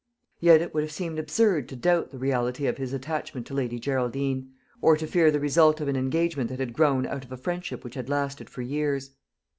Yet it would have seemed absurd to doubt the reality of his attachment to Lady Geraldine, or to fear the result of an engagement that had grown out of a friendship which had lasted for years.